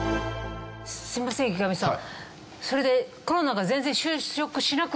すいません池上さん。